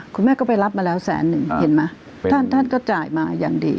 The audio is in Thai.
คุณแม่ก็ไปรับมาแล้วแสนหนึ่งเห็นไหมท่านท่านก็จ่ายมาอย่างดี